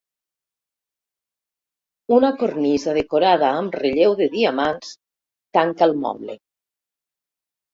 Una cornisa decorada amb relleu de diamants tanca el moble.